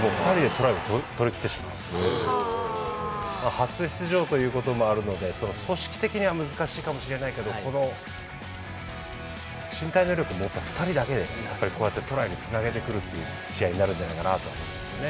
初出場ということもあるのでその組織的には難しいかもしれないけどこの身体能力持った２人だけでねやっぱりこうやってトライにつなげてくるっていう試合になるんじゃないかなとは思いますよね。